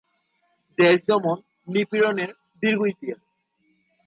দেশ দমন নিপীড়নের দীর্ঘ ইতিহাস।